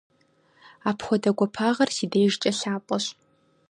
Апхуэдэ гуапагъэр си дежкӀэ лъапӀэщ.